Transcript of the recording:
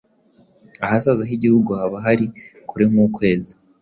ahazaza h’igihugu haba hari kure nk’ukwezi.